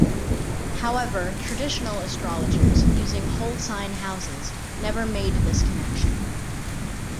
However, traditional astrologers, using whole-sign houses, never made this connection.